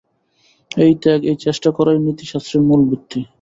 এই ত্যাগ, এই চেষ্টা করাই নীতিশাস্ত্রের মূল ভিত্তি।